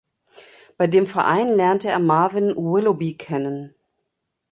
Bei dem Verein lernte er Marvin Willoughby kennen.